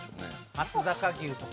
松阪牛とか。